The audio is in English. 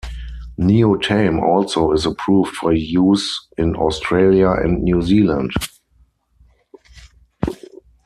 Neotame also is approved for use in Australia and New Zealand.